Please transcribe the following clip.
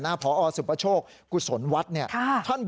แล้วก็เรียกเพื่อนมาอีก๓ลำ